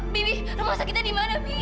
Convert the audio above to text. bibi rumah sakitnya di mana